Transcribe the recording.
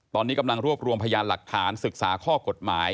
ตอนนี้กำลังรวบรวมพยานหลักฐานศึกษาข้อกฎหมาย